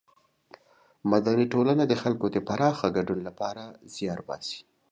مدني ټولنه د خلکو د پراخه ګډون له پاره زیار باسي.